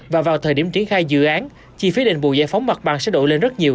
và vào thời điểm triển khai dự án chi phí định bù giải phóng mặt bằng sẽ đổ lên rất nhiều